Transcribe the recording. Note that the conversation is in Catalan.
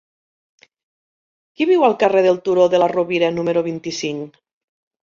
Qui viu al carrer del Turó de la Rovira número vint-i-cinc?